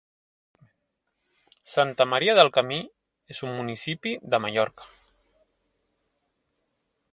Santa Maria del Camí és un municipi de Mallorca.